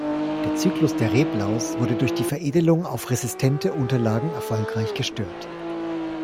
Der Zyklus der Reblaus wurde durch die Veredelung auf resistente Unterlagen erfolgreich gestört.